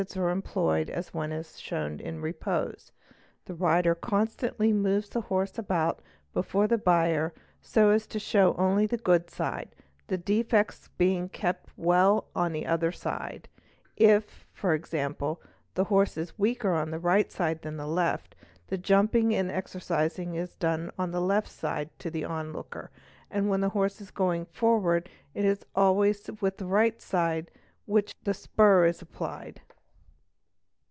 are employed as when it was shown in repose; the rider constanth) moves the horse about before the buyer so as to show only the good side the defects being kept well ''on the other side''; if, e.g., the horse 1 weaker on the right side than on the left, the jumping and exercising 1 done with the left side to the onlooker, and when the horse is goin forward it is always the right side to which the spur is applied.